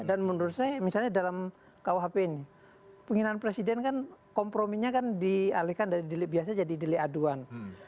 dan menurut saya misalnya dalam rkuhp ini penggunaan presiden kan komprominya kan dialihkan dari dilihat biasa jadi dilihat aduan